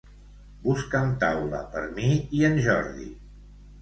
Busca'm taula per mi i en Jordi.